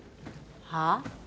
はあ？